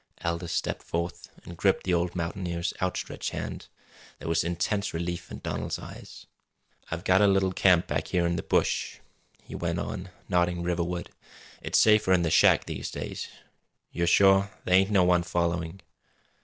Aldous stepped forth and gripped the old mountaineer's outstretched hand. There was intense relief in Donald's eyes. "I got a little camp back here in the bush," he went on, nodding riverward. "It's safer 'n the shack these days. Yo're sure there ain't no one following?"